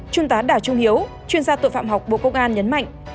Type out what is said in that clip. trung tá đào trung hiếu chuyên gia tội phạm học bộ công an nhấn mạnh